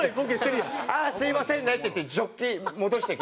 「ああすみませんね」って言ってジョッキ戻して。